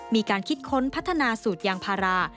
มีการคิดค้นพัฒนาสูตรยางพารา